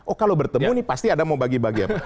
oh kalau bertemu nih pasti ada mau bagi bagi apa